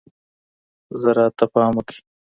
زراعت ته پام وکړئ.